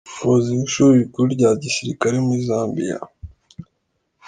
Umuyobozi w’Ishuri rikuru rya Gisirikare muri Zambia, Brig.